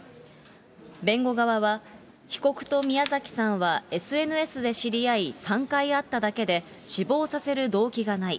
弁護側は、被告と宮崎さんはＳＮＳで知り合い、３回会っただけで、死亡させる動機がない。